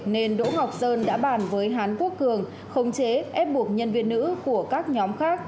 nên đỗ ngọc sơn đã bàn với hán quốc cường không chế ép buộc nhân viên nữ của các nhóm khác